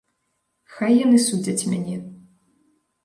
Хай яны судзяць мяне.